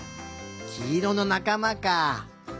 きいろのなかまか。